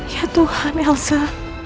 ya tuhan elsa